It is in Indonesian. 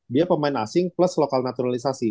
dia pemain asing plus lokal naturalisasi